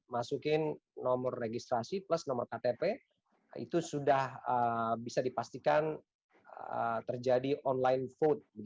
masukin nomor registrasi plus nomor ktp itu sudah bisa dipastikan terjadi online vote